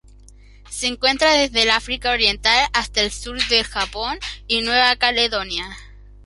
Se encuentra desde el África Oriental hasta el sur del Japón y Nueva Caledonia.